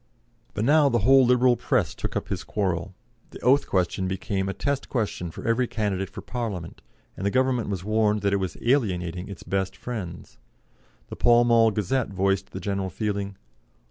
But now the whole Liberal Press took up his quarrel; the oath question became a test question for every candidate for Parliament, and the Government was warned that it was alienating its best friends. The Pall Mall Gazette voiced the general feeling.